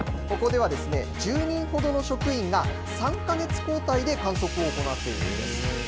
ここでは１０人ほどの職員が、３か月交代で観測を行っているんです。